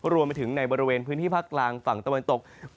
รวมไปถึงในบริเวณพื้นที่ภาคกลางฝั่งตะวันตก